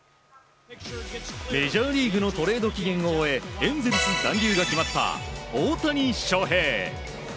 メジャーリーグのトレード期限を終えエンゼルス残留が決まった大谷翔平。